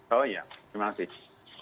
oh iya terima kasih